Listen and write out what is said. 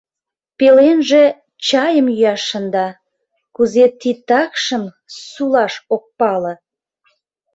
Пеленже чайым йӱаш шында, кузе титакшым сулаш ок пале...